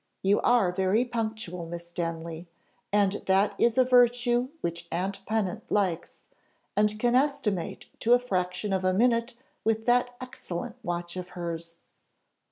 You are very punctual, Miss Stanley; and that is a virtue which aunt Pennant likes, and can estimate to a fraction of a minute with that excellent watch of hers."